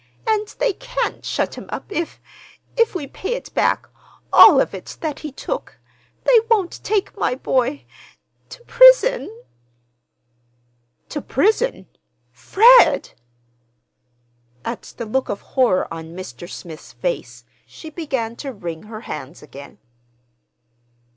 And they can't shut him up if—if we pay it back—all of it that he took? They won't take my boy—to prison?" "To prison—Fred!" At the look of horror on Mr. Smith's face, she began to wring her hands again.